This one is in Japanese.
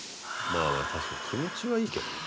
まあまあ確かに気持ちはいいけどね。